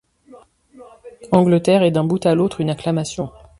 Angleterre est d’un bout à l’autre une acclamation.